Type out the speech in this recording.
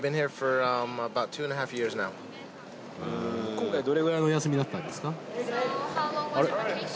今回どれくらいのお休みだったんですか？